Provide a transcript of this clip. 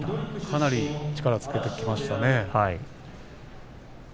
かなり力をつけてきました。